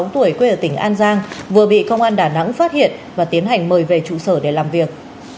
một mươi tuổi quê ở tỉnh an giang vừa bị công an đà nẵng phát hiện và tiến hành mời về trụ sở để làm việc